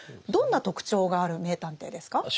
どんな特徴がある名探偵ですか？